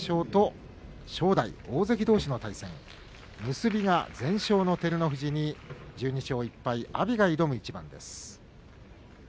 結びは全勝の照ノ富士に１２勝１敗の阿炎が挑む一番です。